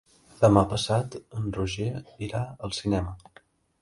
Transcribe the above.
Demà passat en Roger irà al cinema.